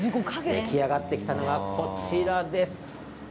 出来上がったのが、こちらです。